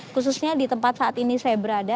khususnya di tempat saat ini saya berada